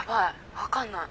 分かんない。